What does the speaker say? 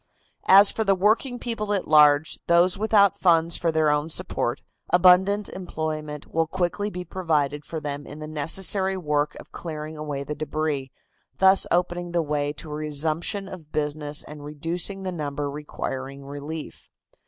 As for the working people at large, those without funds for their own support, abundant employment will quickly be provided for them in the necessary work of clearing away the debris, thus opening the way to a resumption of business and reducing the number requiring relief.